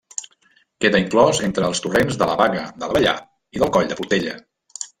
Queda inclòs entre els torrents de la Baga de l'Abellar i del Coll de Portella.